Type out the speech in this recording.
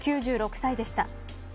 ９６歳でした。